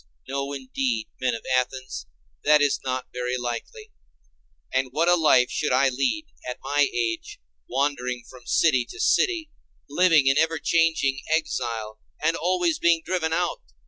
No, indeed, men of Athens, that is not very likely. And what a life should I lead, at my age, wandering from city to city, living in ever changing exile, and always being driven out!